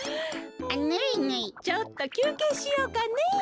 ちょっときゅうけいしようかね。